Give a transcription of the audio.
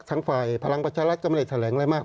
ทางฝ่ายพลังประชารัฐก็ไม่ได้แถลงอะไรมาก